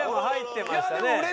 入ってましたね。